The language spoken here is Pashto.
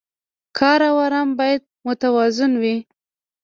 کار او ارام باید متوازن وي.